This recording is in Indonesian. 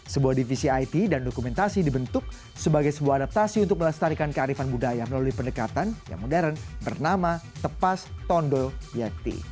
sebuah divisi it dan dokumentasi dibentuk sebagai sebuah adaptasi untuk melestarikan kearifan budaya melalui pendekatan yang modern bernama tepas tondo yakti